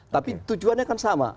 tapi tujuannya kan sama